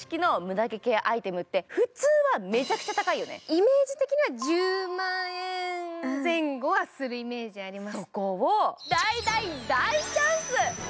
イメージ的には１０万円前後はするイメージあります。